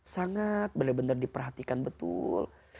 sangat benar benar diperhatikan betul